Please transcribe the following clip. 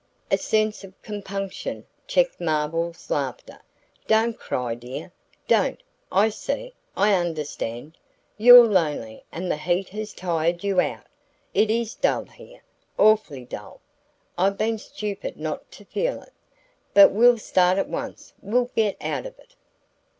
A sense of compunction checked Marvell's laughter. "Don't cry, dear don't! I see, I understand. You're lonely and the heat has tired you out. It IS dull here; awfully dull; I've been stupid not to feel it. But we'll start at once we'll get out of it."